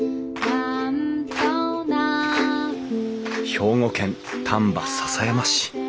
兵庫県丹波篠山市。